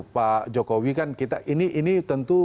pak jokowi kan kita ini tentu